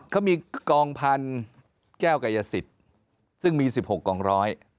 เขามีกองพันธุ์แก้วกายสิทธิ์ซึ่งมี๑๖กองร้อย